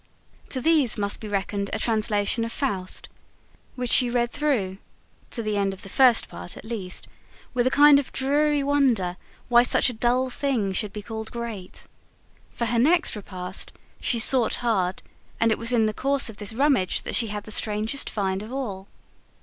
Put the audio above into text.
To these must be reckoned a translation of FAUST, which she read through, to the end of the First Part at least, with a kind of dreary wonder why such a dull thing should be called great. For her next repast, she sought hard and it was in the course of this rummage that she had the strangest find of all.